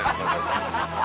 ハハハハハ！